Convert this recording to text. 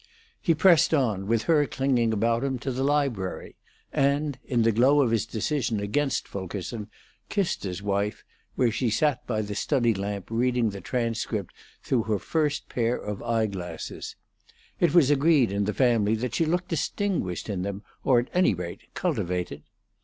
He pressed on, with her clinging about him, to the library, and, in the glow of his decision against Fulkerson, kissed his wife, where she sat by the study lamp reading the Transcript through her first pair of eye glasses: it was agreed in the family that she looked distinguished in them, or, at any rate, cultivated.